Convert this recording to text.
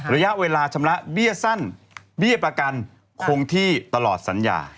ระยะเวลาชำระเบี้ยสั้นเบี้ยประกันคงที่ตลอดสัญญา